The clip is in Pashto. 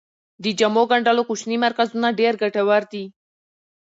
د جامو ګنډلو کوچني مرکزونه ډیر ګټور دي.